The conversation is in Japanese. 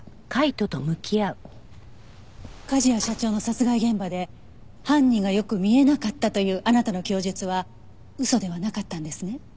梶谷社長の殺害現場で犯人がよく見えなかったというあなたの供述は嘘ではなかったんですね？